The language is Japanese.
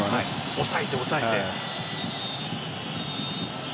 抑えて抑えて。